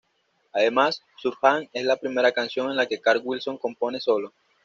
Además, "Surf Jam" es la primera canción en la que Carl Wilson compone sólo.